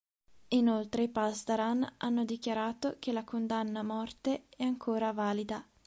Inoltre i Pasdaran hanno dichiarato che la condanna a morte è ancora valida.